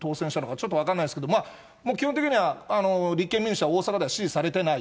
ちょっと分かんないですけど、まあ、基本的には立憲民主は大阪では支持されてない。